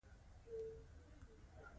ښایي پر کارنګي دا خبره ډېره بده ولګېږي